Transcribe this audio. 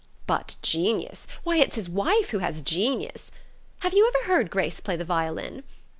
But genius why, it's his wife who has genius! Have you never heard Grace play the violin?